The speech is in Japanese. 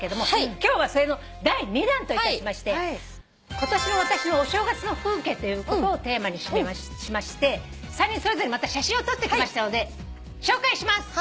今日はそれの第２弾といたしまして今年の私のお正月の風景ということをテーマにしまして３人それぞれ写真を撮ってきましたので紹介します。